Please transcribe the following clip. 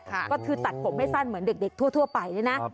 ก็คือตัดผมไม่สั้นเหมือนเด็กทั่วไปนะ